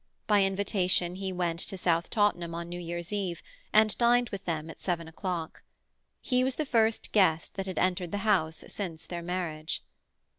By invitation he went to South Tottenham on New Year's Eve, and dined with them at seven o'clock. He was the first guest that had entered the house since their marriage.